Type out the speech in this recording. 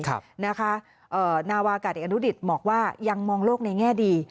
ชั้นบอกว่าชั้นยังมองโลกในแง่ดี